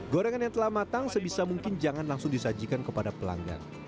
gorengan yang telah matang sebisa mungkin jangan langsung disajikan kepada pelanggan